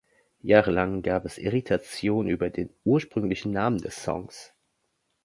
Jahre lang gab es Irritationen über den ursprünglichen Namen des Songs.